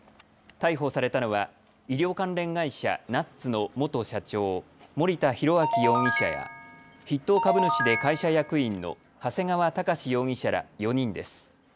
逮捕されたのは医療関連会社、Ｎｕｔｓの元社長、森田浩章容疑者や筆頭株主で会社役員の長谷川隆志容疑者ら４人です。